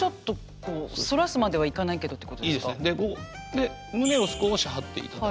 で胸を少し張っていただくと。